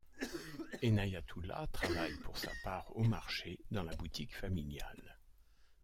Enayatullah travaille pour sa part au marché, dans la boutique familiale.